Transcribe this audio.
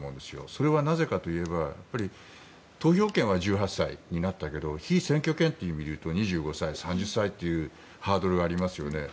それはなぜかといえば投票権は１８歳になったけど被選挙権という意味で言うと２５歳、３０歳というハードルがありますよね。